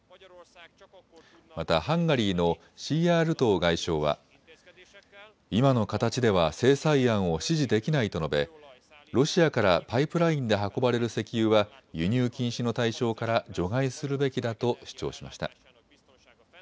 またハンガリーのシーヤールトー外相は今の形では制裁案を支持できないと述べロシアからパイプラインで運ばれる石油は輸入禁止の対象から除外するべきだと主張しました。